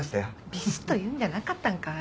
ビシッと言うんじゃなかったんかい！